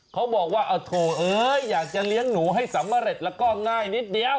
เขาบอกว่าเอาโถเอ้ยอยากจะเลี้ยงหนูให้สำเร็จแล้วก็ง่ายนิดเดียว